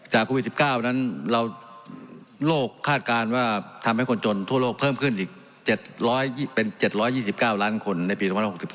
โควิด๑๙นั้นโลกคาดการณ์ว่าทำให้คนจนทั่วโลกเพิ่มขึ้นอีกเป็น๗๒๙ล้านคนในปี๒๐๖๒